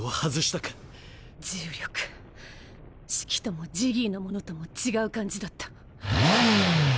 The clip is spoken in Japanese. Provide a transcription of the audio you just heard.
シキともジギーのものとも違う感じだった。